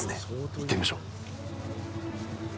行ってみましょう。